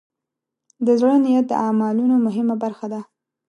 د زړۀ نیت د اعمالو مهمه برخه ده.